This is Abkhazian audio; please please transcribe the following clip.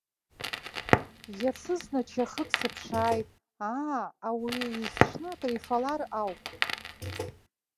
Иацызны чахык сыԥшааит, аа ауаҩы есҽны акрифалар ауп.